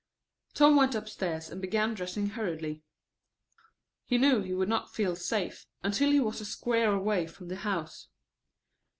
Tom went upstairs and began dressing hurriedly. He knew he would not feel safe until he was a square away from the house.